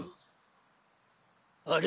あれ？